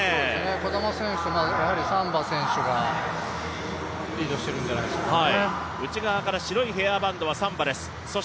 児玉選手、やはりサンバ選手がリードしているんじゃないですかね。